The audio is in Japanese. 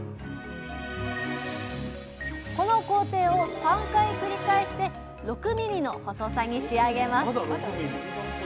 この工程を３回繰り返して６ｍｍの細さに仕上げます。